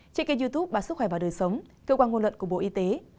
trên kênh youtube bà sức khỏe và đời sống cơ quan ngôn luận của bộ y tế